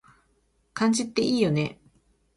漢字っていいよね